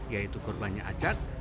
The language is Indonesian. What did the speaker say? yaitu korbannya acak